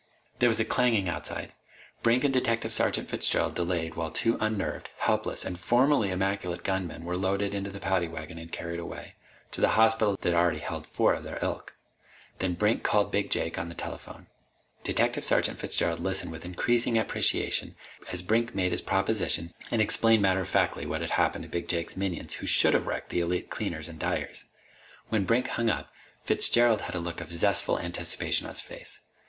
There was a clanging outside. Brink and Detective Sergeant Fitzgerald delayed while the two unnerved, helpless, and formerly immaculate gunmen were loaded into the paddy wagon and carried away to the hospital that already held four of their ilk. Then Brink called Big Jake on the telephone. Detective Sergeant Fitzgerald listened with increasing appreciation as Brink made his proposition and explained matter of factly what had happened to Big Jake's minions who should have wrecked the Elite Cleaners and Dyers. When Brink hung up, Fitzgerald had a look of zestful anticipation on his face.